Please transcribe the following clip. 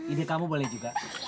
ide kamu boleh juga